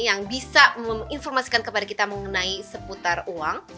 yang bisa menginformasikan kepada kita mengenai seputar uang